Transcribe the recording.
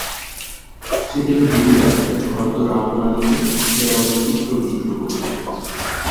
সেকেলে বুড়ীরা ঘরদোর আলপনা দিত, দেওয়ালে চিত্রবিচিত্র করত।